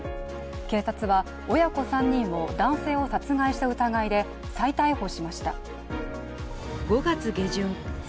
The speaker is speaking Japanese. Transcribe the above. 警察は親子３人を男性を殺害した疑いで再逮捕しました。